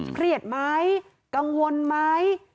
เครียดไหมกังวลไหม